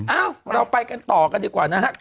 เอ้าเราไปกันต่อกันดีกว่านะครับ